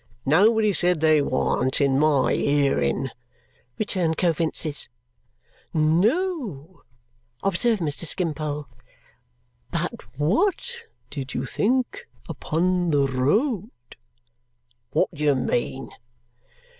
"Nobody said they warn't, in MY hearing," returned Coavinses. "No," observed Mr. Skimpole. "But what did you think upon the road?" "Wot do you mean?"